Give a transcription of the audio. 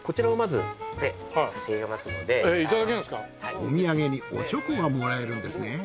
お土産にお猪口がもらえるんですね。